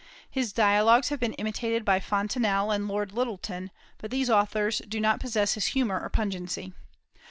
His dialogues have been imitated by Fontanelle and Lord Lyttleton, but these authors do not possess his humor or pungency.